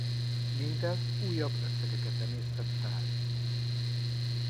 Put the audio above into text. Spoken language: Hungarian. Mindez újabb összegeket emésztett fel.